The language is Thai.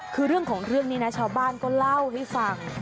คือเรื่องของเรื่องนี้นะชาวบ้านก็เล่าให้ฟัง